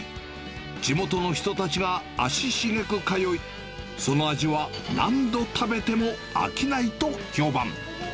地元の人たちが足しげく通い、その味は何度食べても飽きないと評判。